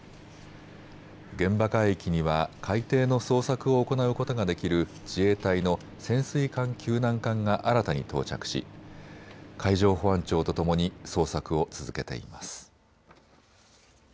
現場海域には海底の捜索を行うことができる自衛隊の潜水艦救難艦が新たに到着し海上保安庁とともに捜索を続けています。